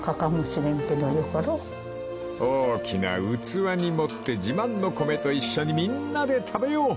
［大きな器に盛って自慢の米と一緒にみんなで食べよう！］